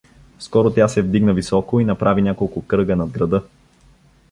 Скоро тя се вдигна високо и направи няколко кръга над града.